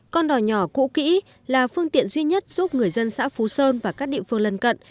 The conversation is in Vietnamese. con đỏ nhỏ cũ kỹ là phương tiện duy nhất giúp người dân xã phú sơn và các địa phương lân cận